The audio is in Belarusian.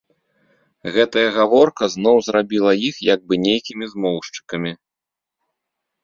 Гэтая гаворка зноў зрабіла іх як бы нейкімі змоўшчыкамі.